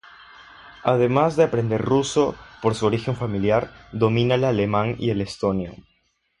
Además de aprender ruso, por su origen familiar, domina el alemán y el estonio.